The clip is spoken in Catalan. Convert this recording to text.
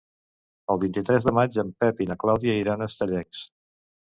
El vint-i-tres de maig en Pep i na Clàudia iran a Estellencs.